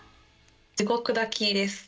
地獄炊きです。